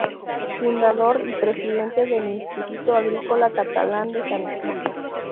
Fundador y presidente del Instituto Agrícola Catalán de San Isidro.